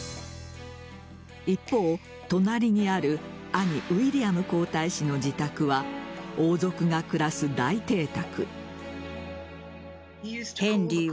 一方、隣にある兄・ウィリアム皇太子の自宅は王族が暮らす大邸宅。